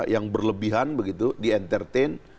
yang berlebihan begitu di entertain